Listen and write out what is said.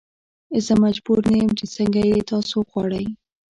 زه مجبور نه یم چې څنګه یې تاسو غواړئ.